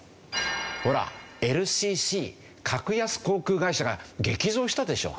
ほらＬＣＣ格安航空会社が激増したでしょ。